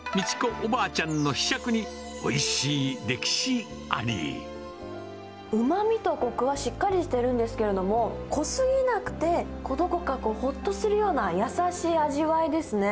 おばあちゃんのひしゃうまみとこくはしっかりしてるんですけれども、濃すぎなくて、どこかほっとするような優しい味わいですね。